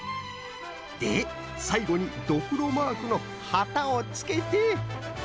でさいごにドクロマークのはたをつけて。